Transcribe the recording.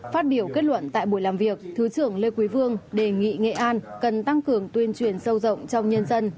phát biểu kết luận tại buổi làm việc thứ trưởng lê quý vương đề nghị nghệ an cần tăng cường tuyên truyền sâu rộng trong nhân dân